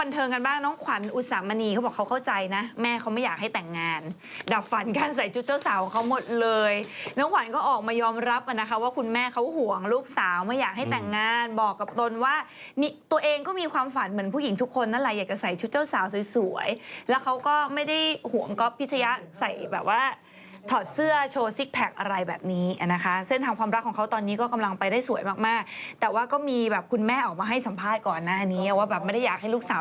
ไทยว่าตัวเองก็มีความฝันเหมือนผู้หญิงทุกคนน่ะอะไรอยากจะใส่ชุดเจ้าสาวสวยอยู่แล้วเขาก็ไม่ได้ห่วงก็พิจรรยะใส่แบบว่าถอดเสื้อโชว์อะไรแบบนี้อ่ะนะคะเส้นทางความรักของเขาตอนนี้ก็กำลังไปได้สวยมากแต่ว่าก็มีแบบคุณแม่ออกมา